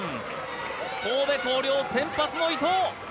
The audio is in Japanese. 神戸弘陵先発の伊藤